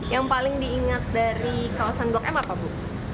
yang paling diingat dari kawasan blok m apa bu